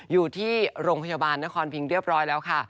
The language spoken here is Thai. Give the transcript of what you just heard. อยู่ที่โรงพยาบาลนครพิงเรียบร้อยแล้วค่ะ